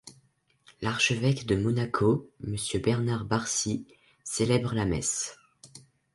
L’archevêque de Monaco, monseigneur Bernard Barsi, célèbre la messe.